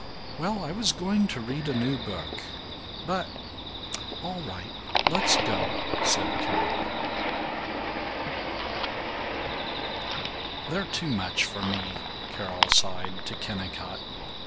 "Well, I was going to read a new book but All right, let's go," said Carol. VIII "They're too much for me," Carol sighed to Kennicott.